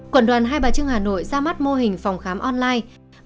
quận đoàn hai bà trưng hà nội ra mắt mô hình phòng khám online